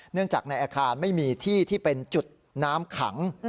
เนื่องจากในอาคารไม่มีที่ที่เป็นจุดน้ำขัง